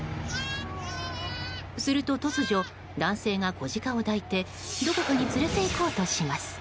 すると突如男性が子ジカを抱いてどこかに連れていこうとします。